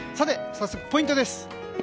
早速ポイントです。